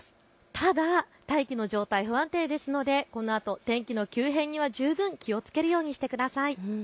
ただ大気の状態、不安定ですのでこのあと天気の急変には十分気をつけるようにしてください。